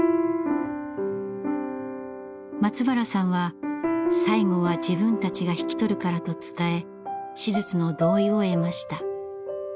松原さんは最後は自分たちが引き取るからと伝え手術の同意を得ました。